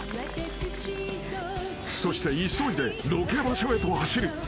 ［そして急いでロケ場所へと走る］